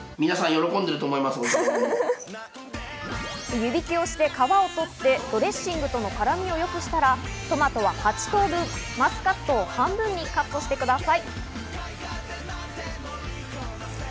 湯引きをして皮を取ってドレッシングとの絡みを良くしたらトマトは８等分、マスカットを半分にカットしてください。